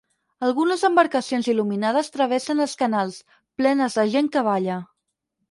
Algunes embarcacions il·luminades travessen els canals, plenes de gent que balla.